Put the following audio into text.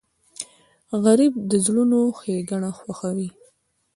غریب د زړونو ښیګڼه خوښوي